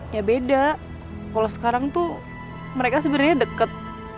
ya beda kalau sekarang tuh mereka sebenarnya deket